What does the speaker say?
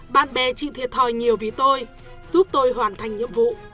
bạn bè chị thiệt thòi nhiều vì tôi giúp tôi hoàn thành nhiệm vụ